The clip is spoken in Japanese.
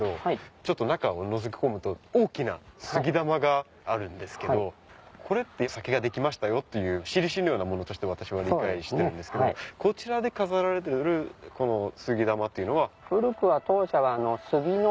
ちょっと中をのぞき込むと大きな杉玉があるんですけどこれって酒ができましたよっていう印のようなものとして私は理解してるんですけどこちらで飾られてる杉玉っていうのは。